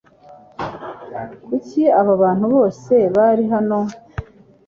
Kuki aba bantu bose bari hano?